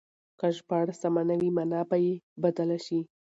که ژباړه سمه نه وي مانا به يې بدله شي.